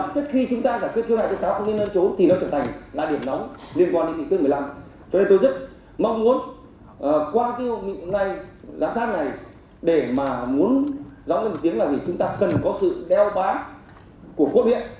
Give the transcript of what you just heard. để chúng ta và tôi rất mong muốn chủ tọa là đưa cái nội dung này vào trong nghị quyết